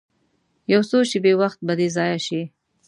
یو څو دقیقې وخت به دې ضایع شي.